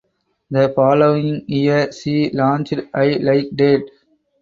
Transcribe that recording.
The following year she launched "I Like Dat".